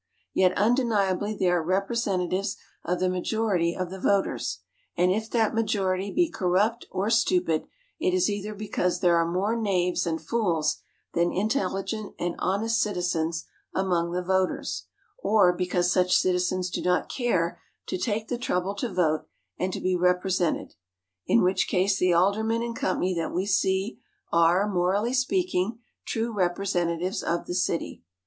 Yet undeniably they are representatives of the majority of the voters, and if that majority be corrupt or stupid, it is either because there are more knaves and fools than intelligent and honest citizens among the voters, or because such citizens do not care to take the trouble to vote and to be represented; in which case the Aldermen and Co. that we see are, morally speaking, true representatives of the city.